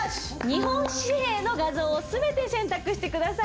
日本紙幣の画像を全て選択してください。